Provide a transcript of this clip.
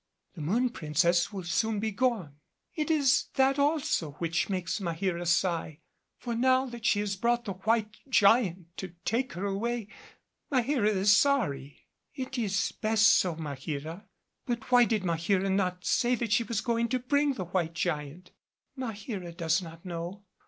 "The Moon Princess will soon be gone." "It is that also which makes Maheera sigh. For now that she has brought the White Giant to take her away, Maheera is sorry." "It is best so, Maheera. But why did Maheera not say that she was going to bring the White Giant?" "Maheera does not know.